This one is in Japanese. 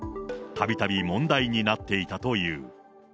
たびたび問題になっていたという。